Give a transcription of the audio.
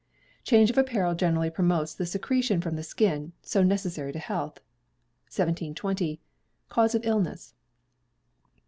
Change of apparel greatly promotes the secretion from the skin, so necessary to health. 1720. Cause of Illness.